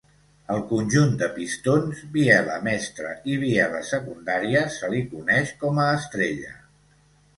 Al conjunt de pistons, biela mestra i bieles secundàries se li coneix com a estrella.